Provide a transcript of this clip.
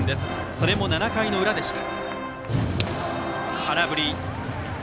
それも７回の裏でした。